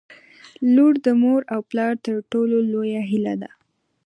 • لور د مور او پلار تر ټولو لویه هیله ده.